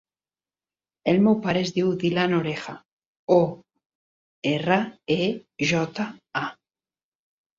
El meu pare es diu Dylan Oreja: o, erra, e, jota, a.